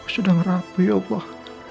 sudah merapu ya allah